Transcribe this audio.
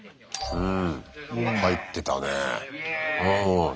うん。